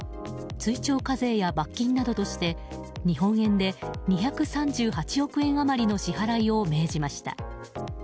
追徴課税や罰金などとして日本円で２３８億円余りの支払いを命じました。